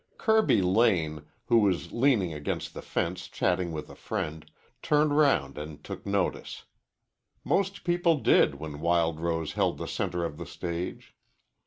Kirby Lane, who was leaning against the fence chatting with a friend, turned round and took notice. Most people did when Wild Rose held the center of the stage.